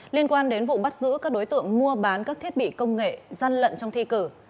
liên quan đến vụ bắt giữ các đối tượng mua bán các thiết bị công nghệ gian lận trong thi cử